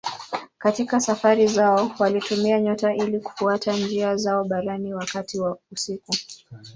Katika safari zao walitumia nyota ili kufuata njia zao baharini wakati wa usiku.